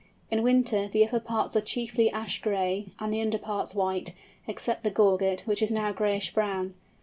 In winter the upper parts are chiefly ash gray, and the under parts white, except the gorget, which is now grayish brown.